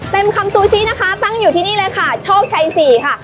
คำซูชินะคะตั้งอยู่ที่นี่เลยค่ะโชคชัยสี่ค่ะ